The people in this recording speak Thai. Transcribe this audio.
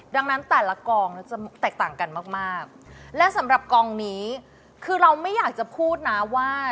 ดังนั้นแต่ละกองจะแตกต่างกันมากมากและสำหรับกองนี้คือเราไม่อยากจะพูดนะว่า